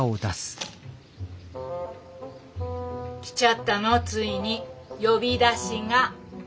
来ちゃったのついに呼び出しが。